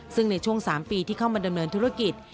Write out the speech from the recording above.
ซึ่งในช่วง๓ปีที่เข้ามาดำเนินธุรกิจ